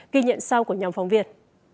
ghi nhận sau của nhóm phóng viên